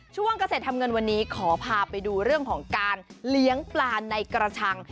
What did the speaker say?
เกษตรทำเงินวันนี้ขอพาไปดูเรื่องของการเลี้ยงปลาในกระชัง